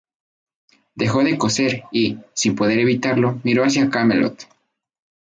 Dejó de coser y, sin poder evitarlo, miró hacia Camelot.